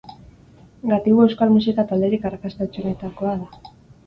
Gatibu euskal musika talderik arrakastatsuenetakoa da.